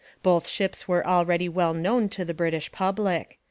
Both ships were already well known to the British public.